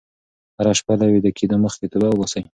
هره شپه له ویده کېدو مخکې توبه وباسئ.